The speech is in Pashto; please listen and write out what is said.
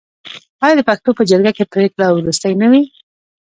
آیا د پښتنو په جرګه کې پریکړه وروستۍ نه وي؟